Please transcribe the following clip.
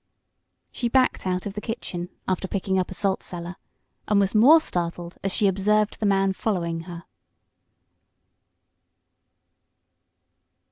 She backed out of the kitchen, after picking up a salt cellar, and was more startled as she observed the man following her.